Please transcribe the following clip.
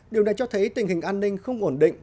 điều này cho thấy tình hình an ninh không ổn định